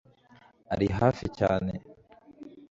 ari hafi cyane